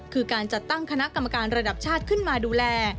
คือการจัดตั้งคณะกรรมการระดับชาติขึ้นมาดูแล